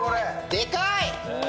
でかい！